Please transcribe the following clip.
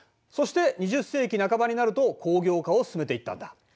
そして２０世紀半ばになると工業化を進めていったんだ。